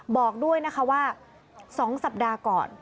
บอกด้วยนะคะว่า๒สัปดาห์ก่อน